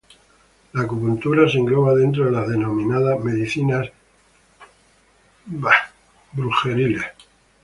La acupuntura se engloba dentro de las denominadas medicinas alternativas.